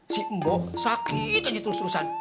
si mbok sakit aja terus terusan